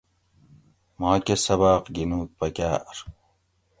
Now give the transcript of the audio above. ماکہ سباۤق گِھنوگ پکاۤر